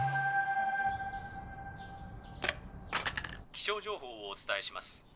気象情報をお伝えします。